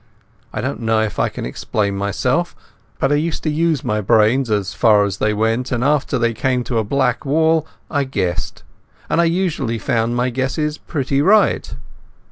I don't know if I can explain myself, but I used to use my brains as far as they went, and after they came to a blank wall I guessed, and I usually found my guesses pretty right.